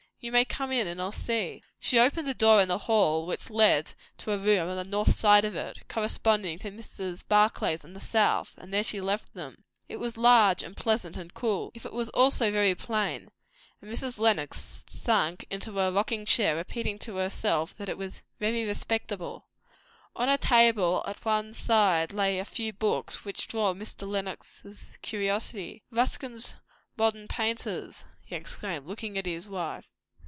You may come in, and I'll see." She opened a door in the hall which led to a room on the north side of it, corresponding to Mrs. Barclay's on the south; and there she left them. It was large and pleasant and cool, if it was also very plain; and Mrs. Lenox sank into a rocking chair, repeating to herself that it was 'very respectable.' On a table at one side lay a few books, which drew Mr. Lenox's curiosity. "Ruskin's 'Modern Painters'!" he exclaimed, looking at his wife.